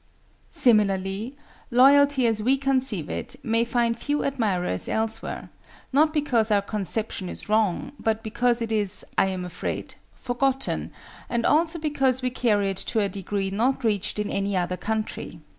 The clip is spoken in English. Similarly, Loyalty as we conceive it may find few admirers elsewhere, not because our conception is wrong, but because it is, I am afraid, forgotten, and also because we carry it to a degree not reached in any other country.